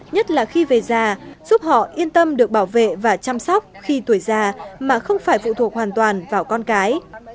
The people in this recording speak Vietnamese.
nhất là khi về già giúp họ yên tâm được bảo vệ và chăm sóc khi tuổi già mà không phải phụ thuộc hoàn toàn vào con cái